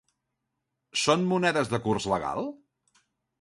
Són monedes de curs legal?